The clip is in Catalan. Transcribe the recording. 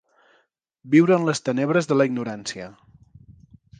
Viure en les tenebres de la ignorància.